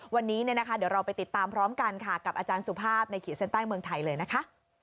วันนี้เดี๋ยวเราไปติดตามพร้อมกันค่ะกับอาจารย์สุภาพในขีดเส้นใต้เมืองไทยเลยนะคะ